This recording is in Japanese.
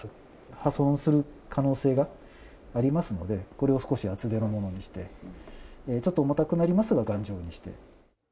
破損する可能性がありますので、これを少し厚手のものにして、ちょっと重たくなりますが、頑丈にして。